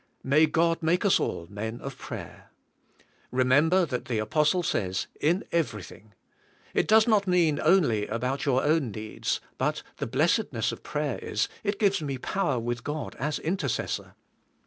May God make us all men of prayer. Re member that the apostle says, "In everything." It does not mean only about your own needs, but the blessedness of prayer is, it gives me power with God as intercessor.